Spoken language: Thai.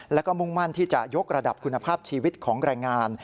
แล้วก็มุ่งมั่นที่จะยกระดับคุณภาพชีวิตของแรงงาน